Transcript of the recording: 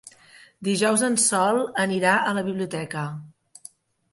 Dijous en Sol anirà a la biblioteca.